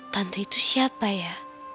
tante itu siapa ya